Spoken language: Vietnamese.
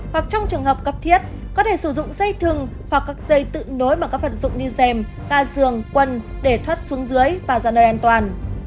hoặc trong trường hợp cấp thiết có thể sử dụng dây thừng hoặc các dây tự nối bằng các vật dụng như dèm ga giường quân để thoát xuống dưới và ra nơi an toàn